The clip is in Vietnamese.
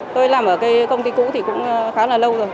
tôi làm ở cái công ty cũ thì cũng khá là lâu rồi